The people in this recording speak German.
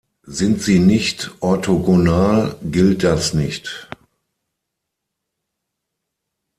Sind sie nicht orthogonal, gilt das nicht.